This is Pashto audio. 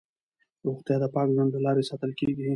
روغتیا د پاک ژوند له لارې ساتل کېږي.